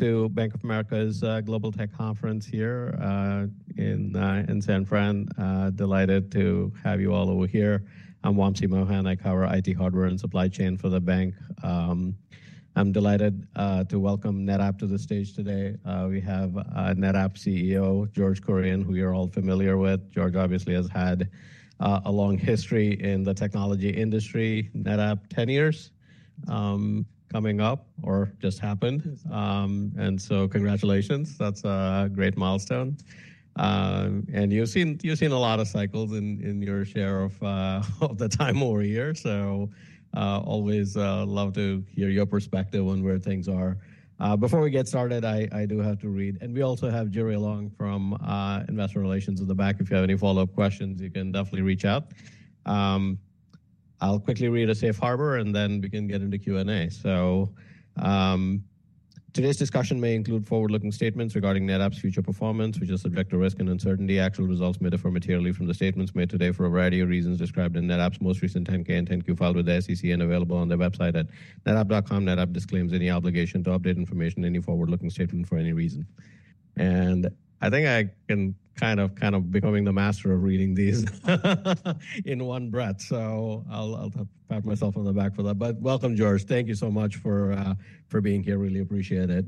To Bank of America's Global Tech Conference here in San Francisco. Delighted to have you all over here. I'm Wamshi Mohan. I cover IT hardware and supply chain for the bank. I'm delighted to welcome NetApp to the stage today. We have NetApp CEO George Kurian, who you're all familiar with. George obviously has had a long history in the technology industry, NetApp, 10 years coming up or just happened. And so congratulations. That's a great milestone. And you've seen a lot of cycles in your share of the time over here. Always love to hear your perspective on where things are. Before we get started, I do have to read. We also have Jeriel Ong from Investor Relations at the back. If you have any follow-up questions, you can definitely reach out. I'll quickly read a safe harbor, and then we can get into Q&A. Today's discussion may include forward-looking statements regarding NetApp's future performance, which is subject to risk and uncertainty. Actual results may differ materially from the statements made today for a variety of reasons described in NetApp's most recent 10-K and 10-Q filed with the SEC and available on their website at netapp.com. NetApp disclaims any obligation to update information in any forward-looking statement for any reason. I think I can kind of become the master of reading these in one breath. I'll pat myself on the back for that. Welcome, George. Thank you so much for being here. Really appreciate it.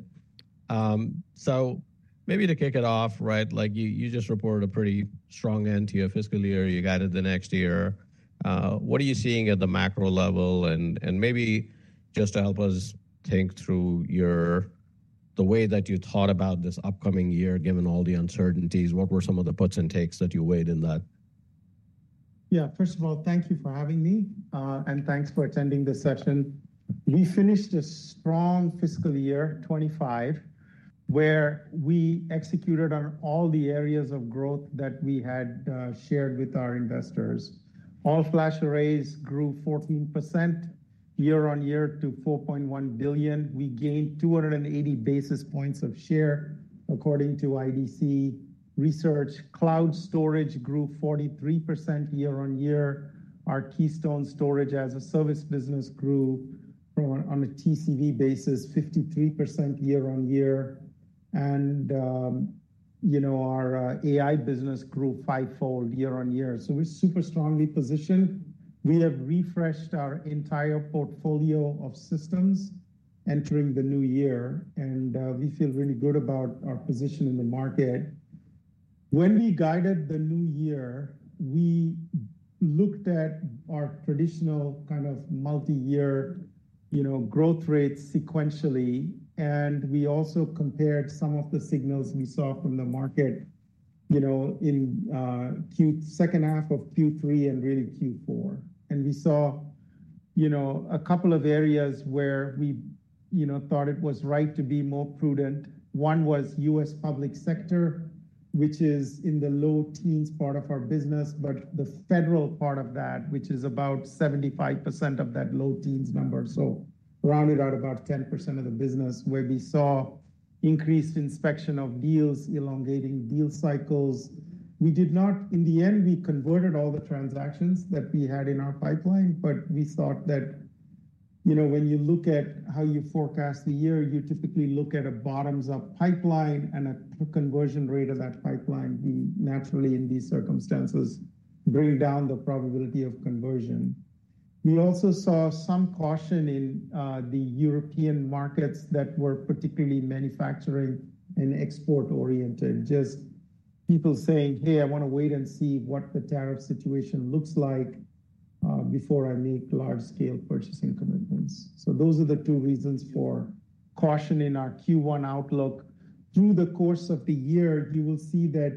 Maybe to kick it off, you just reported a pretty strong end to your fiscal year. You got it the next year. What are you seeing at the macro level? Maybe just to help us think through the way that you thought about this upcoming year, given all the uncertainties, what were some of the puts and takes that you weighed in that? Yeah. First of all, thank you for having me. And thanks for attending this session. We finished a strong fiscal year 2025, where we executed on all the areas of growth that we had shared with our investors. All-flash arrays grew 14% year on year to $4.1 billion. We gained 280 basis points of share, according to IDC Research. Cloud storage grew 43% year on year. Our Keystone Storage as a Service business grew on a TCV basis, 53% year on year. And our AI business grew fivefold year on year. So we're super strongly positioned. We have refreshed our entire portfolio of systems entering the new year. And we feel really good about our position in the market. When we guided the new year, we looked at our traditional kind of multi-year growth rate sequentially. We also compared some of the signals we saw from the market in the second half of Q3 and really Q4. We saw a couple of areas where we thought it was right to be more prudent. One was U.S. public sector, which is in the low teens part of our business, but the federal part of that, which is about 75% of that low teens number. Rounded out, about 10% of the business, where we saw increased inspection of deals, elongating deal cycles. In the end, we converted all the transactions that we had in our pipeline. We thought that when you look at how you forecast the year, you typically look at a bottoms-up pipeline and a conversion rate of that pipeline. We naturally, in these circumstances, bring down the probability of conversion. We also saw some caution in the European markets that were particularly manufacturing and export-oriented, just people saying, "Hey, I want to wait and see what the tariff situation looks like before I make large-scale purchasing commitments." Those are the two reasons for caution in our Q1 outlook. Through the course of the year, you will see that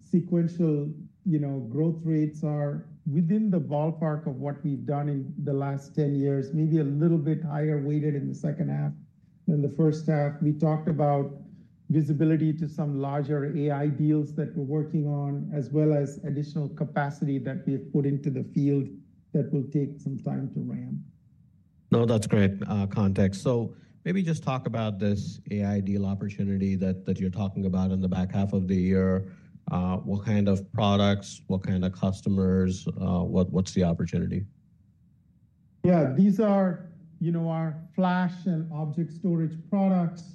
sequential growth rates are within the ballpark of what we've done in the last 10 years, maybe a little bit higher weighted in the second half than the first half. We talked about visibility to some larger AI deals that we're working on, as well as additional capacity that we have put into the field that will take some time to ramp. No, that's great context. Maybe just talk about this AI deal opportunity that you're talking about in the back half of the year. What kind of products? What kind of customers? What's the opportunity? Yeah. These are our flash and object storage products.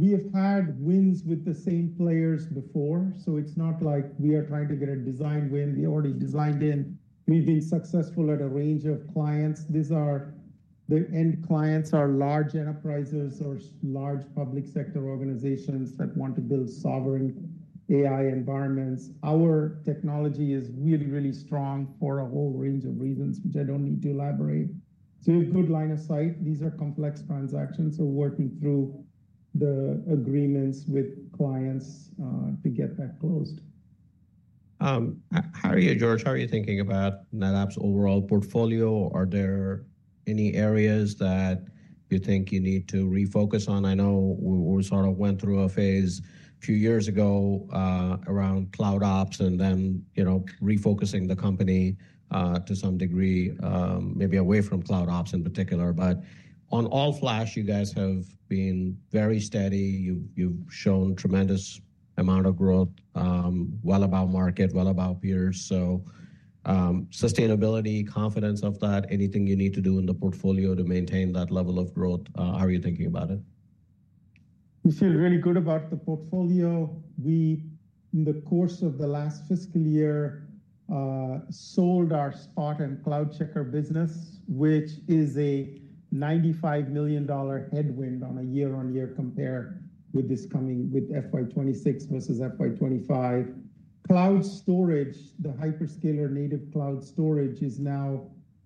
We have had wins with the same players before. It is not like we are trying to get a design win. We already designed in. We have been successful at a range of clients. The end clients are large enterprises or large public sector organizations that want to build sovereign AI environments. Our technology is really, really strong for a whole range of reasons, which I do not need to elaborate. We have good line of sight. These are complex transactions. Working through the agreements with clients to get that closed. How are you, George? How are you thinking about NetApp's overall portfolio? Are there any areas that you think you need to refocus on? I know we sort of went through a phase a few years ago around cloud ops and then refocusing the company to some degree, maybe away from cloud ops in particular. On all flash, you guys have been very steady. You've shown a tremendous amount of growth, well above market, well above peers. Sustainability, confidence of that, anything you need to do in the portfolio to maintain that level of growth, how are you thinking about it? We feel really good about the portfolio. We, in the course of the last fiscal year, sold our Spot and Cloud Checker business, which is a $95 million headwind on a year-on-year compare with FY2026 versus FY2025. Cloud storage, the hyperscaler native cloud storage, is now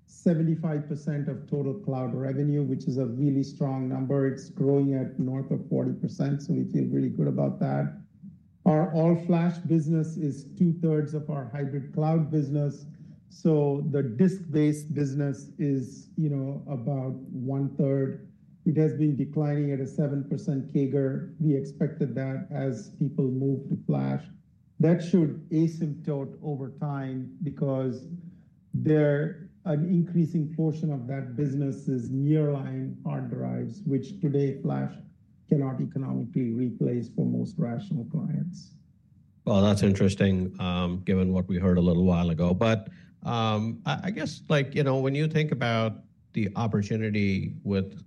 75% of total cloud revenue, which is a really strong number. It's growing at north of 40%. We feel really good about that. Our all-flash business is two-thirds of our hybrid cloud business. The disk-based business is about one-third. It has been declining at a 7% CAGR. We expected that as people moved to flash. That should asymptote over time because an increasing portion of that business is nearline hard drives, which today flash cannot economically replace for most rational clients. That's interesting, given what we heard a little while ago. I guess when you think about the opportunity with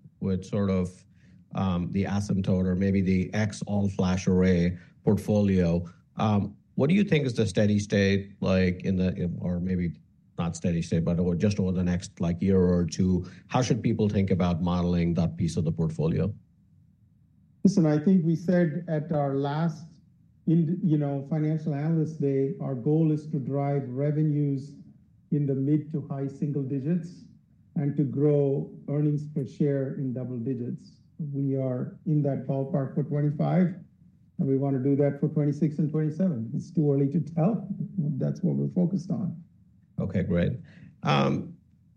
sort of the asymptote or maybe the ex all-flash array portfolio, what do you think is the steady state in the, or maybe not steady state, but just over the next year or two? How should people think about modeling that piece of the portfolio? Listen, I think we said at our last financial analyst day, our goal is to drive revenues in the mid to high single digits and to grow earnings per share in double digits. We are in that ballpark for 2025. And we want to do that for 2026 and 2027. It's too early to tell. That's what we're focused on. Okay, great.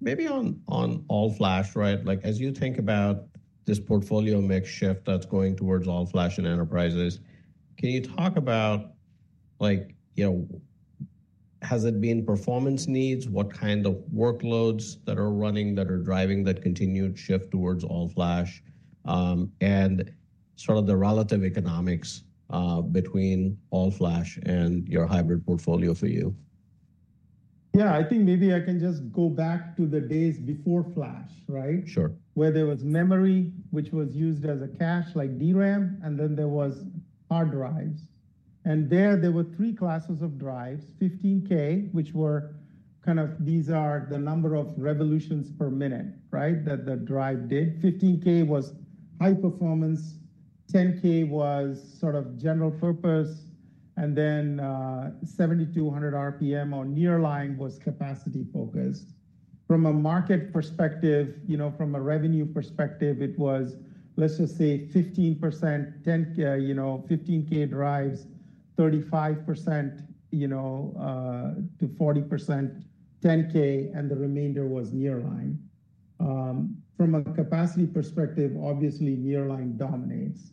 Maybe on all-flash, as you think about this portfolio mix shift that's going towards all-flash and enterprises, can you talk about, has it been performance needs? What kind of workloads that are running that are driving that continued shift towards all-flash? And sort of the relative economics between all-flash and your hybrid portfolio for you. Yeah, I think maybe I can just go back to the days before flash, right? Sure. Where there was memory, which was used as a cache like DRAM, and then there were hard drives. There were three classes of drives: 15K, which were kind of these are the number of revolutions per minute that the drive did. 15K was high performance. 10K was sort of general purpose. 7,200 RPM or nearline was capacity focused. From a market perspective, from a revenue perspective, it was, let's just say, 15% 15K drives, 35%-40% 10K, and the remainder was nearline. From a capacity perspective, obviously, nearline dominates.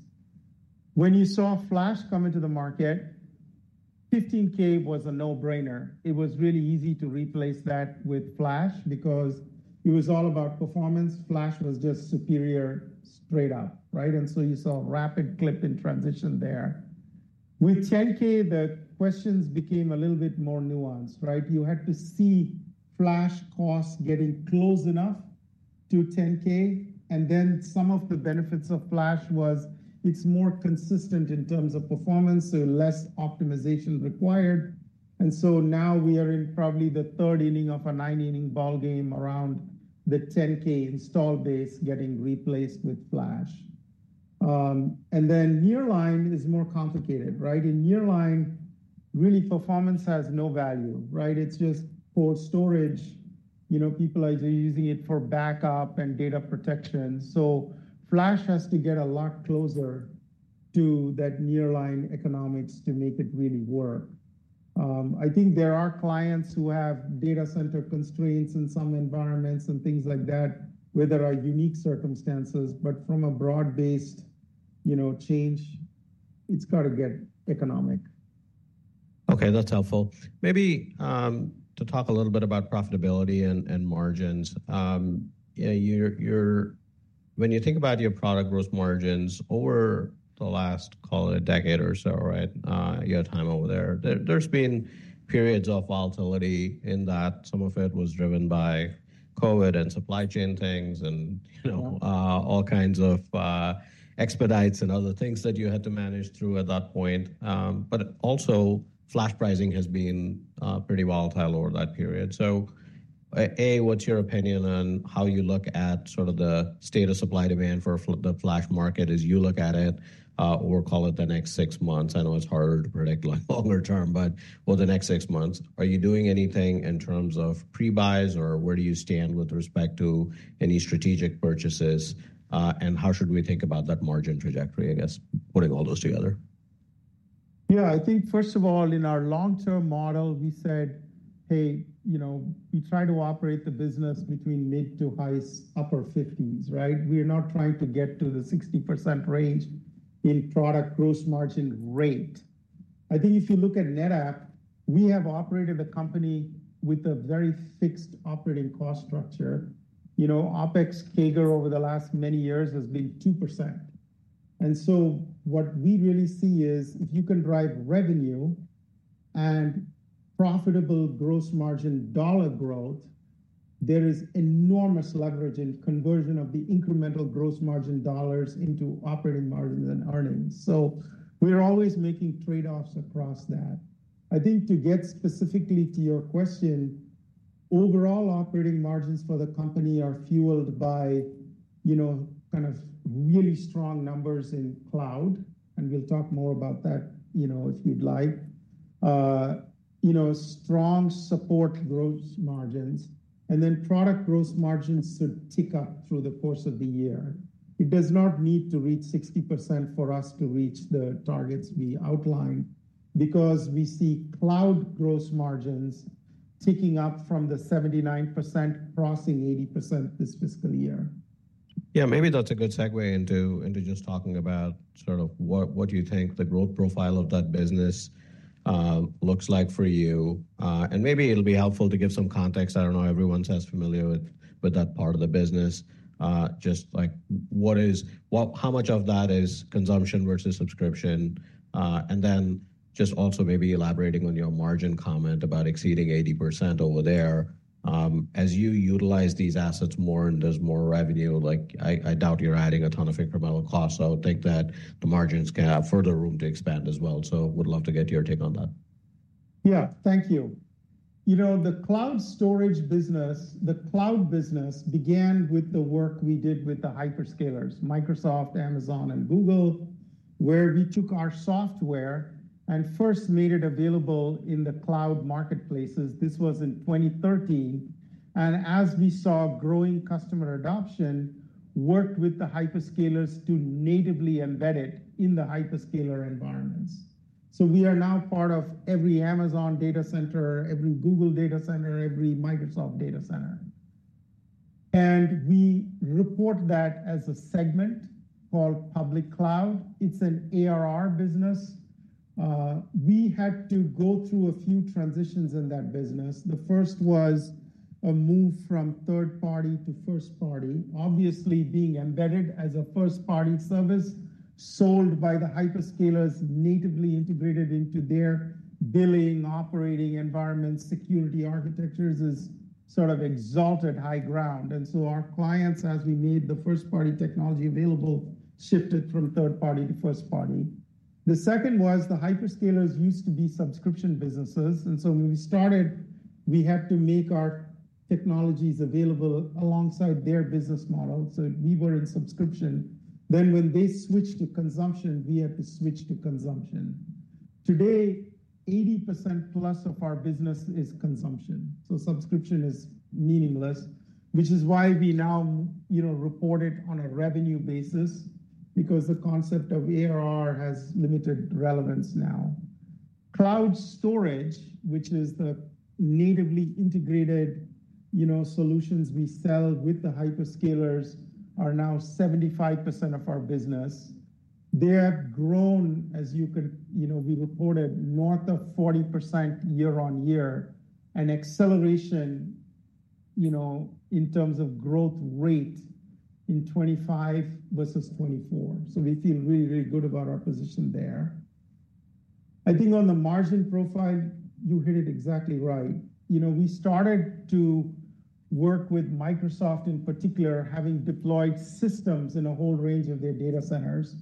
When you saw flash come into the market, 15K was a no-brainer. It was really easy to replace that with flash because it was all about performance. Flash was just superior straight up. You saw a rapid clip in transition there. With 10K, the questions became a little bit more nuanced. You had to see flash costs getting close enough to 10K. Then some of the benefits of flash was it's more consistent in terms of performance, so less optimization required. Now we are in probably the third inning of a nine-inning ballgame around the 10K install base getting replaced with flash. Nearline is more complicated. In nearline, really, performance has no value. It's just cold storage. People are using it for backup and data protection. Flash has to get a lot closer to that nearline economics to make it really work. I think there are clients who have data center constraints in some environments and things like that, where there are unique circumstances. From a broad-based change, it's got to get economic. Okay, that's helpful. Maybe to talk a little bit about profitability and margins. When you think about your product growth margins over the last, call it, a decade or so, your time over there, there's been periods of volatility in that. Some of it was driven by COVID and supply chain things and all kinds of expedites and other things that you had to manage through at that point. Also, flash pricing has been pretty volatile over that period. A, what's your opinion on how you look at sort of the state of supply demand for the flash market as you look at it, or call it the next six months? I know it's harder to predict longer term, but for the next six months, are you doing anything in terms of pre-buys, or where do you stand with respect to any strategic purchases? How should we think about that margin trajectory, I guess, putting all those together? Yeah, I think, first of all, in our long-term model, we said, "Hey, we try to operate the business between mid to high upper 50s." We are not trying to get to the 60% range in product gross margin rate. I think if you look at NetApp, we have operated a company with a very fixed operating cost structure. OPEX CAGR over the last many years has been 2%. And so what we really see is if you can drive revenue and profitable gross margin dollar growth, there is enormous leverage in conversion of the incremental gross margin dollars into operating margins and earnings. We're always making trade-offs across that. I think to get specifically to your question, overall operating margins for the company are fueled by kind of really strong numbers in cloud. We'll talk more about that if you'd like. Strong support growth margins. Product growth margins should tick up through the course of the year. It does not need to reach 60% for us to reach the targets we outlined because we see cloud gross margins ticking up from 79% crossing 80% this fiscal year. Yeah, maybe that's a good segue into just talking about sort of what you think the growth profile of that business looks like for you. Maybe it'll be helpful to give some context. I don't know. Everyone's as familiar with that part of the business. Just how much of that is consumption versus subscription? Maybe elaborating on your margin comment about exceeding 80% over there. As you utilize these assets more and there's more revenue, I doubt you're adding a ton of incremental costs. I would think that the margins can have further room to expand as well. Would love to get your take on that. Yeah, thank you. The cloud storage business, the cloud business began with the work we did with the hyperscalers, Microsoft, Amazon, and Google, where we took our software and first made it available in the cloud marketplaces. This was in 2013. As we saw growing customer adoption, worked with the hyperscalers to natively embed it in the hyperscaler environments. We are now part of every Amazon data center, every Google data center, every Microsoft data center. We report that as a segment called public cloud. It is an ARR business. We had to go through a few transitions in that business. The first was a move from third-party to first-party. Obviously, being embedded as a first-party service sold by the hyperscalers natively integrated into their billing, operating environment, security architectures is sort of exalted high ground. Our clients, as we made the first-party technology available, shifted from third-party to first-party. The second was the hyperscalers used to be subscription businesses. When we started, we had to make our technologies available alongside their business model. We were in subscription. When they switched to consumption, we had to switch to consumption. Today, 80% plus of our business is consumption. Subscription is meaningless, which is why we now report it on a revenue basis because the concept of ARR has limited relevance now. Cloud storage, which is the natively integrated solutions we sell with the hyperscalers, are now 75% of our business. They have grown, as you could, we reported, north of 40% year on year, an acceleration in terms of growth rate in 2025 versus 2024. We feel really, really good about our position there. I think on the margin profile, you hit it exactly right. We started to work with Microsoft in particular, having deployed systems in a whole range of their data centers.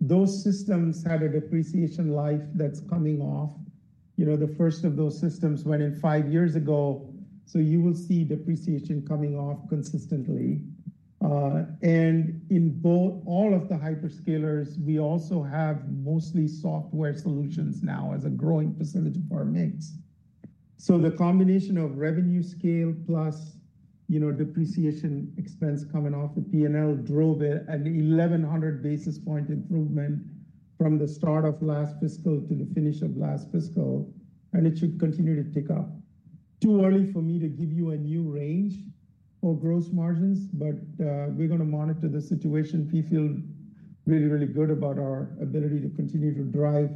Those systems had a depreciation life that is coming off. The first of those systems went in five years ago. You will see depreciation coming off consistently. In all of the hyperscalers, we also have mostly software solutions now as a growing percentage of our mix. The combination of revenue scale plus depreciation expense coming off the P&L drove an 1,100 basis point improvement from the start of last fiscal to the finish of last fiscal. It should continue to tick up. Too early for me to give you a new range or gross margins, but we are going to monitor the situation. We feel really, really good about our ability to continue to drive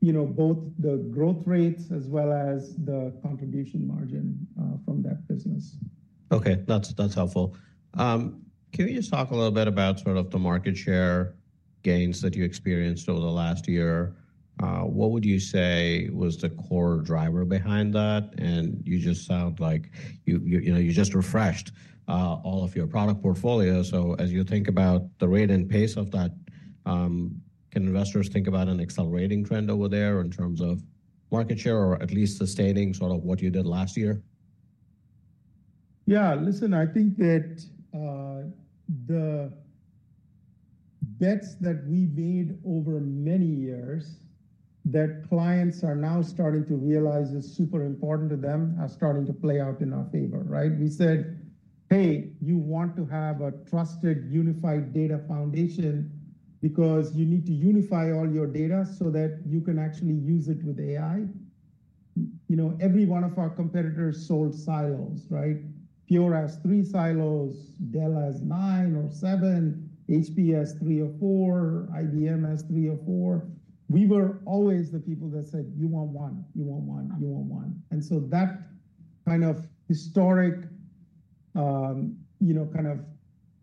both the growth rates as well as the contribution margin from that business. Okay, that's helpful. Can we just talk a little bit about sort of the market share gains that you experienced over the last year? What would you say was the core driver behind that? You just sound like you just refreshed all of your product portfolio. As you think about the rate and pace of that, can investors think about an accelerating trend over there in terms of market share or at least sustaining sort of what you did last year? Yeah, listen, I think that the bets that we made over many years that clients are now starting to realize is super important to them are starting to play out in our favor. We said, "Hey, you want to have a trusted unified data foundation because you need to unify all your data so that you can actually use it with AI." Every one of our competitors sold silos, right? Pure has three silos, Dell has nine or seven, HP has three or four, IBM has three or four. We were always the people that said, "You want one. You want one. You want one." That kind of historic kind of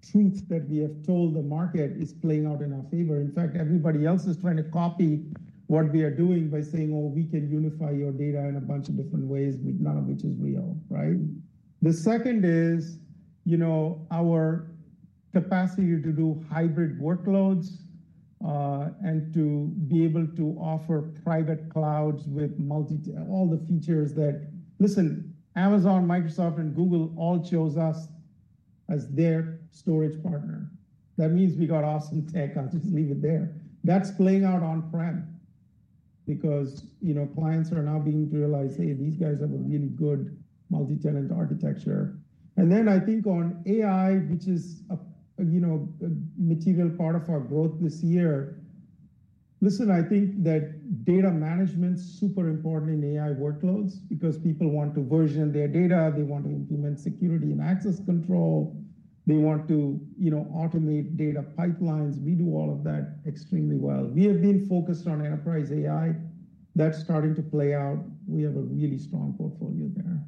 truth that we have told the market is playing out in our favor. In fact, everybody else is trying to copy what we are doing by saying, "Oh, we can unify your data in a bunch of different ways," none of which is real. The second is our capacity to do hybrid workloads and to be able to offer private clouds with all the features that, listen, Amazon, Microsoft, and Google all chose us as their storage partner. That means we got awesome tech. I'll just leave it there. That's playing out on-prem because clients are now beginning to realize, "Hey, these guys have a really good multi-tenant architecture." I think on AI, which is a material part of our growth this year, listen, I think that data management is super important in AI workloads because people want to version their data. They want to implement security and access control. They want to automate data pipelines. We do all of that extremely well. We have been focused on enterprise AI. That's starting to play out. We have a really strong portfolio there.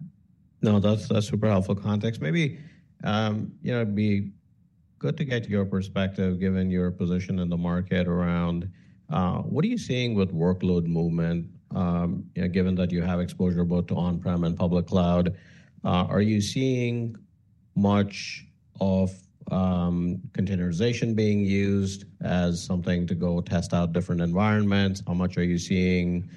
No, that's super helpful context. Maybe it'd be good to get your perspective given your position in the market around what are you seeing with workload movement, given that you have exposure both to on-prem and public cloud? Are you seeing much of containerization being used as something to go test out different environments? How much are you seeing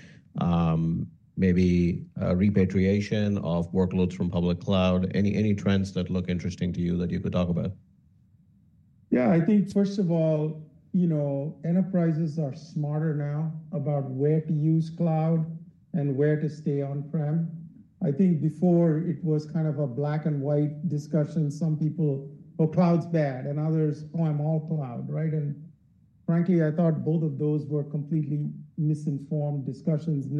maybe repatriation of workloads from public cloud? Any trends that look interesting to you that you could talk about? Yeah, I think, first of all, enterprises are smarter now about where to use cloud and where to stay on-prem. I think before it was kind of a black and white discussion. Some people, "Oh, cloud's bad," and others, "Oh, I'm all cloud." Frankly, I thought both of those were completely misinformed discussions.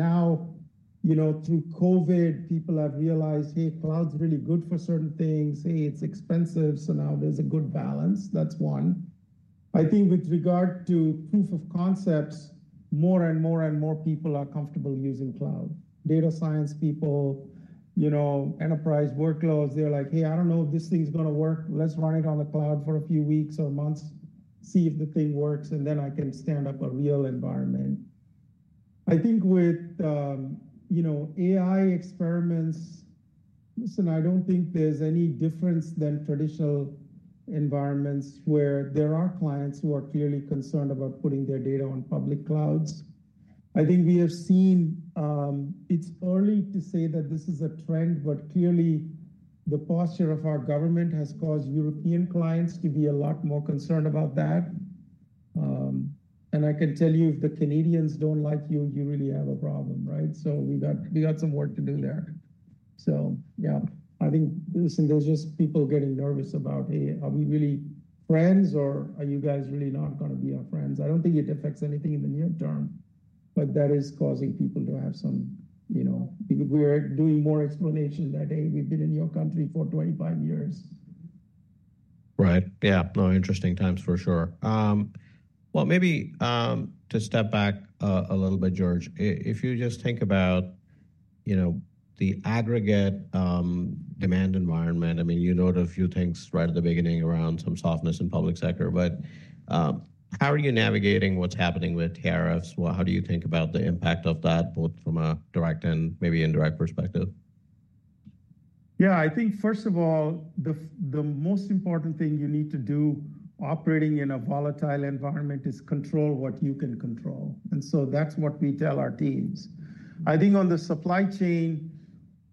Now, through COVID, people have realized, "Hey, cloud's really good for certain things. Hey, it's expensive." Now there's a good balance. That's one. I think with regard to proof of concepts, more and more people are comfortable using cloud. Data science people, enterprise workloads, they're like, "Hey, I don't know if this thing's going to work. Let's run it on the cloud for a few weeks or months, see if the thing works, and then I can stand up a real environment. I think with AI experiments, listen, I don't think there's any difference than traditional environments where there are clients who are clearly concerned about putting their data on public clouds. I think we have seen it's early to say that this is a trend, but clearly, the posture of our government has caused European clients to be a lot more concerned about that. I can tell you, if the Canadians don't like you, you really have a problem. We got some work to do there. Yeah, I think, listen, there's just people getting nervous about, "Hey, are we really friends, or are you guys really not going to be our friends?" I don't think it affects anything in the near term, but that is causing people to have some—we're doing more explanation that, "Hey, we've been in your country for 25 years. Right. Yeah, no, interesting times for sure. Maybe to step back a little bit, George, if you just think about the aggregate demand environment, I mean, you noted a few things right at the beginning around some softness in public sector. How are you navigating what's happening with tariffs? How do you think about the impact of that, both from a direct and maybe indirect perspective? Yeah, I think, first of all, the most important thing you need to do operating in a volatile environment is control what you can control. That is what we tell our teams. I think on the supply chain,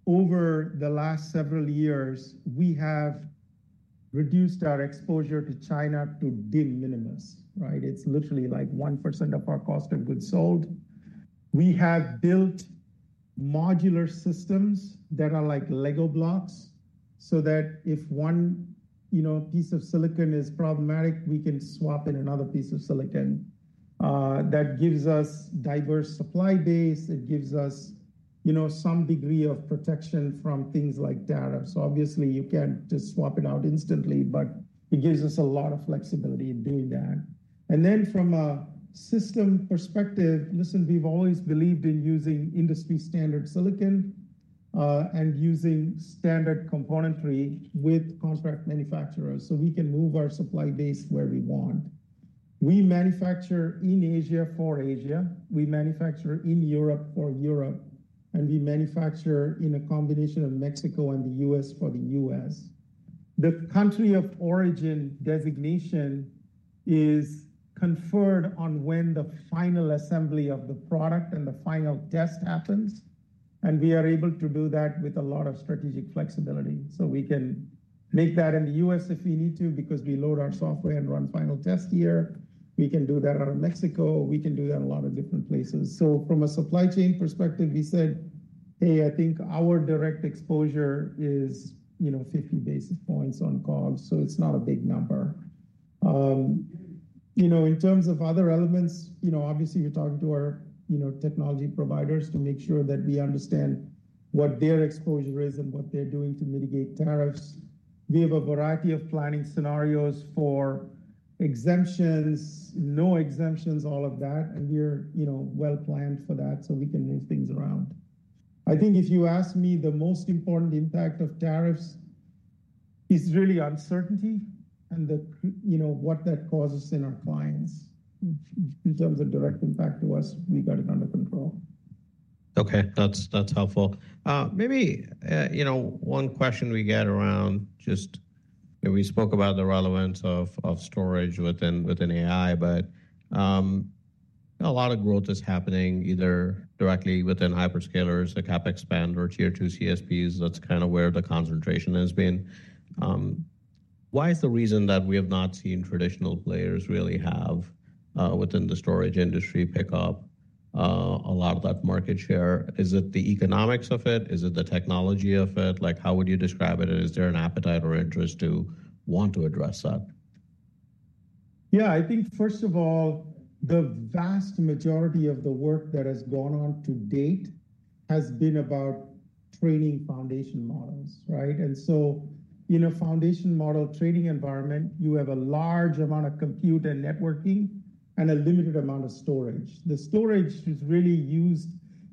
over the last several years, we have reduced our exposure to China to de minimis. It is literally like 1% of our cost of goods sold. We have built modular systems that are like Lego blocks so that if one piece of silicon is problematic, we can swap in another piece of silicon. That gives us diverse supply base. It gives us some degree of protection from things like tariffs. Obviously, you cannot just swap it out instantly, but it gives us a lot of flexibility in doing that. From a system perspective, listen, we've always believed in using industry-standard silicon and using standard componentry with contract manufacturers so we can move our supply base where we want. We manufacture in Asia for Asia. We manufacture in Europe for Europe. We manufacture in a combination of Mexico and the U.S. for the U.S. The country of origin designation is conferred on when the final assembly of the product and the final test happens. We are able to do that with a lot of strategic flexibility. We can make that in the U.S. if we need to because we load our software and run final test here. We can do that out of Mexico. We can do that in a lot of different places. From a supply chain perspective, we said, "Hey, I think our direct exposure is 50 basis points on calls." It is not a big number. In terms of other elements, obviously, we are talking to our technology providers to make sure that we understand what their exposure is and what they are doing to mitigate tariffs. We have a variety of planning scenarios for exemptions, no exemptions, all of that. We are well-planned for that so we can move things around. I think if you ask me, the most important impact of tariffs is really uncertainty and what that causes in our clients. In terms of direct impact to us, we got it under control. Okay, that's helpful. Maybe one question we get around just we spoke about the relevance of storage within AI, but a lot of growth is happening either directly within hyperscalers, the CapEx spend, or tier two CSPs. That's kind of where the concentration has been. Why is the reason that we have not seen traditional players really have within the storage industry pick up a lot of that market share? Is it the economics of it? Is it the technology of it? How would you describe it? Is there an appetite or interest to want to address that? Yeah, I think, first of all, the vast majority of the work that has gone on to date has been about training foundation models. In a foundation model training environment, you have a large amount of compute and networking and a limited amount of storage. The storage is really used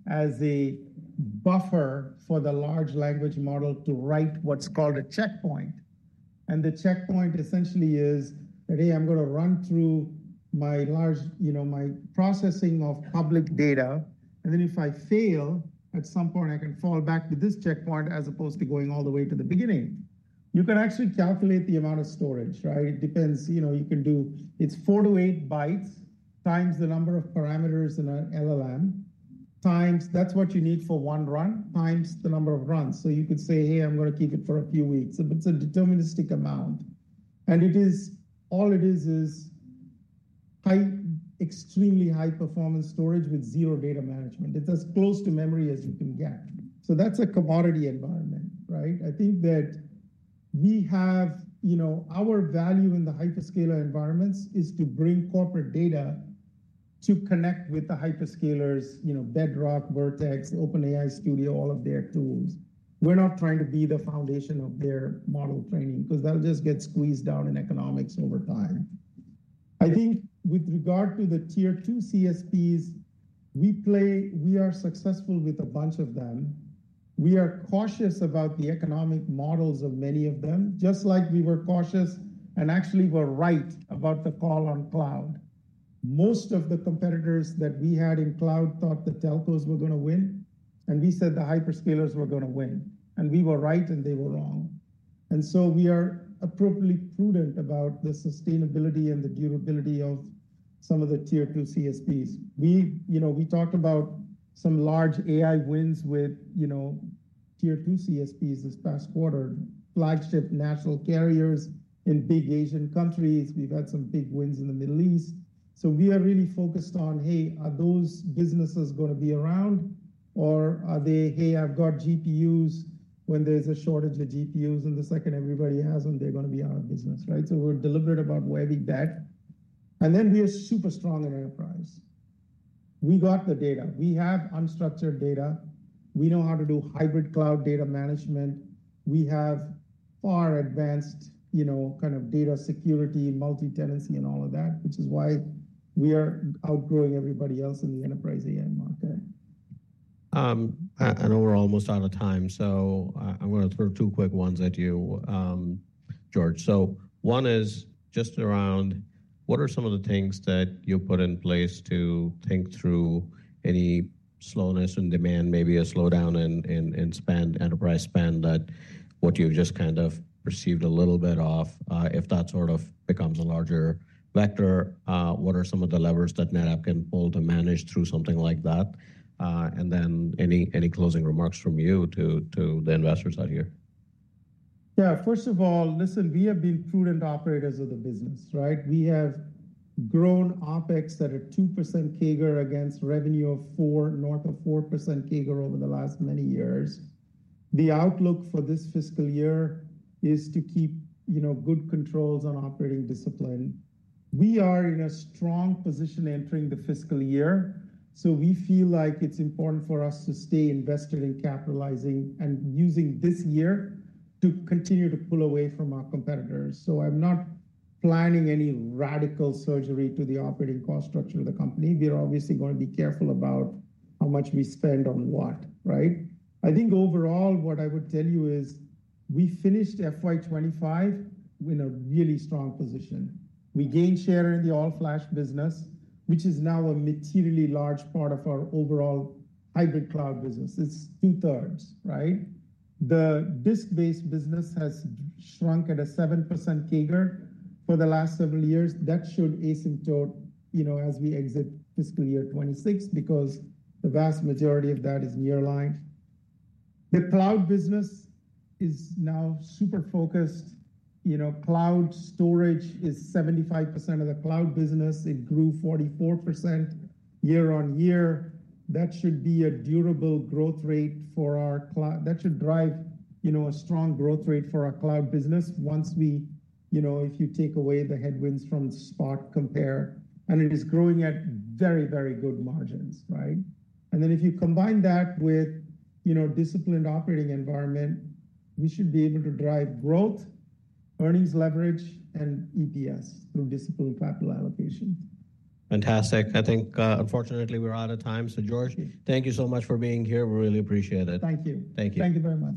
as a buffer for the large language model to write what's called a checkpoint. The checkpoint essentially is that, "Hey, I'm going to run through my processing of public data. If I fail, at some point, I can fall back to this checkpoint as opposed to going all the way to the beginning." You can actually calculate the amount of storage. It depends. You can do it's four to eight bytes times the number of parameters in an LLM times that's what you need for one run times the number of runs. You could say, "Hey, I'm going to keep it for a few weeks." It's a deterministic amount. All it is is extremely high-performance storage with zero data management. It's as close to memory as you can get. That's a commodity environment. I think that we have our value in the hyperscaler environments to bring corporate data to connect with the hyperscalers: Bedrock, Vertex, OpenAI Studio, all of their tools. We're not trying to be the foundation of their model training because that'll just get squeezed out in economics over time. I think with regard to the tier two CSPs, we are successful with a bunch of them. We are cautious about the economic models of many of them, just like we were cautious and actually were right about the call on cloud. Most of the competitors that we had in cloud thought the telcos were going to win. We said the hyperscalers were going to win. We were right, and they were wrong. We are appropriately prudent about the sustainability and the durability of some of the tier two CSPs. We talked about some large AI wins with tier two CSPs this past quarter, flagship national carriers in big Asian countries. We have had some big wins in the Middle East. We are really focused on, "Hey, are those businesses going to be around, or are they, 'Hey, I've got GPUs?'" When there is a shortage of GPUs and the second everybody has them, they are going to be out of business. We are deliberate about where we bet. We are super strong in enterprise. We got the data. We have unstructured data. We know how to do hybrid cloud data management. We have far advanced kind of data security, multi-tenancy, and all of that, which is why we are outgrowing everybody else in the enterprise AI market. I know we're almost out of time. I'm going to throw two quick ones at you, George. One is just around what are some of the things that you put in place to think through any slowness in demand, maybe a slowdown in enterprise spend that you've just kind of perceived a little bit of. If that sort of becomes a larger vector, what are some of the levers that NetApp can pull to manage through something like that? Any closing remarks from you to the investors out here? Yeah, first of all, listen, we have been prudent operators of the business. We have grown OPEX at a 2% CAGR against revenue of 4, north of 4% CAGR over the last many years. The outlook for this fiscal year is to keep good controls on operating discipline. We are in a strong position entering the fiscal year. We feel like it's important for us to stay invested in capitalizing and using this year to continue to pull away from our competitors. I'm not planning any radical surgery to the operating cost structure of the company. We are obviously going to be careful about how much we spend on what. I think overall, what I would tell you is we finished FY2025 in a really strong position. We gained share in the all-flash business, which is now a materially large part of our overall hybrid cloud business. It's two-thirds. The disk-based business has shrunk at a 7% CAGR for the last several years. That should asymptote as we exit fiscal year 2026 because the vast majority of that is nearline. The cloud business is now super focused. Cloud storage is 75% of the cloud business. It grew 44% year on year. That should be a durable growth rate for our cloud. That should drive a strong growth rate for our cloud business once we, if you take away the headwinds from Spot compare. It is growing at very, very good margins. If you combine that with disciplined operating environment, we should be able to drive growth, earnings leverage, and EPS through discipline capital allocation. Fantastic. I think, unfortunately, we're out of time. So, George, thank you so much for being here. We really appreciate it. Thank you. Thank you. Thank you very much.